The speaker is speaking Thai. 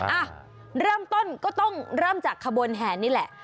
อ่ะเริ่มต้นก็ต้องเริ่มจากขบวนแห่นี่แหละ